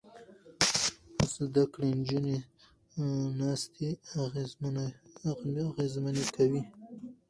زده کړې نجونې ناستې اغېزمنې کوي.